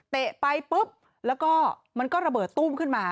ไปปุ๊บแล้วก็มันก็ระเบิดตุ้มขึ้นมา